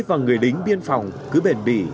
và người đính biên phòng cứ bền bỉ